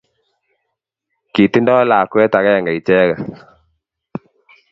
Kitindoi lakwet akenge icheget.